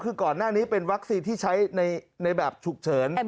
คือก่อนหน้านี้เป็นวัคซีนที่ใช้ในแบบฉุกเฉิน